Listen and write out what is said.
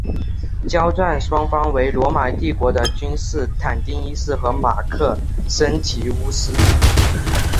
交战双方为罗马帝国的君士坦丁一世和马克森提乌斯。